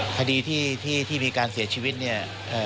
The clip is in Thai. คดีที่มีการเสียชีวิตเนี่ย